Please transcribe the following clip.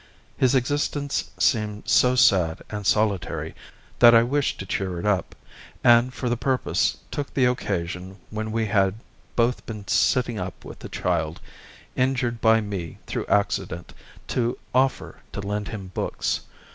His existence seemed so sad and solitary that I wished to cheer it up, and for the purpose took the occasion when we had both been sitting up with a child, injured by me through accident, to offer to lend him books.